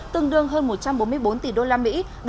tương đương hơn một trăm bốn mươi bốn tỷ usd